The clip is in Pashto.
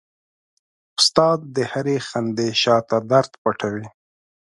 استاد د هرې خندې شاته درد پټوي.